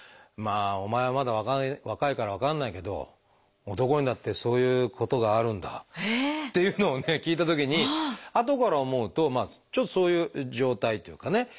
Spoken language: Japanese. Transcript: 「まあお前はまだ若いから分かんないけど男にだってそういうことがあるんだ」って言うのをね聞いたときにあとから思うとちょっとそういう状態っていうかね